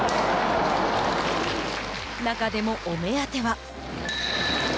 なかでもお目当ては。